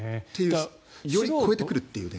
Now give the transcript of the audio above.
より超えてくるというね。